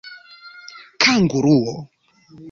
kanguruo